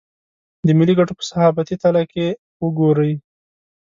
د ملي ګټو په صحافتي تله که وګوري.